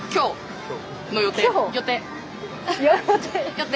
予定？